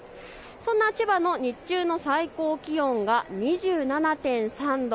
そんな千葉の日中の最高気温が２７．３度。